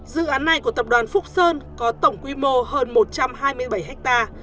dự án này của tập đoàn phúc sơn có tổng quy mô hơn một trăm hai mươi bảy ha